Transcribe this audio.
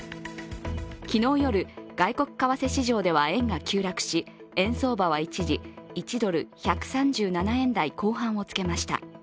昨日夜、外国為替市場では円が急落し、円相場は一時、１ドル＝１３７円台後半をつけました。